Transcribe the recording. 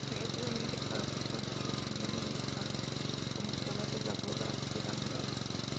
Desgraciadamente para Susan, su prometido no es como esperaba y la boda queda anulada.